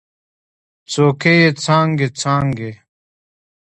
څوکې یې څانګې، څانګې